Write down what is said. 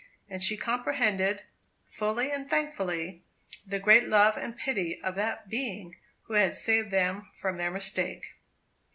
And she comprehended, fully and thankfully, the great love and pity of that Being who had saved them from their mistake.